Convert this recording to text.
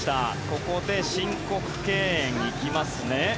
ここで申告敬遠、行きますね。